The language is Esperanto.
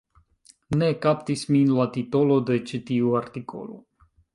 Ne kaptis min la titolo de ĉi tiu artikolo